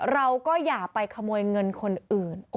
เราก็อย่าไปขโมยเงินคนอื่น